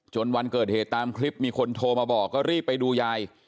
วันเกิดเหตุตามคลิปมีคนโทรมาบอกก็รีบไปดูยาย